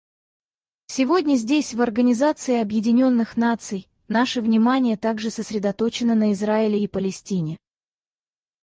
Сегодня здесь, в Организации Объединенных Наций, наше внимание также сосредоточено на Израиле и Палестине.